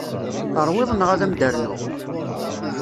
Teṛwiḍ neɣ ad m-d-rnuɣ?